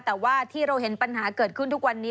แต่ว่าที่เราเห็นปัญหาเกิดขึ้นทุกวันนี้